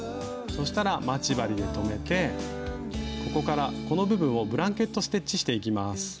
そしたら待ち針で留めてここからこの部分をブランケット・ステッチしていきます。